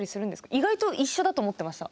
意外と一緒だと思ってました。